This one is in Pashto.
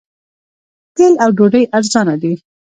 تیل او ډوډۍ ارزانه دي.